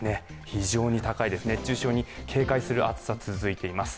非常に高いですね、熱中症に警戒する暑さが続いて射ます。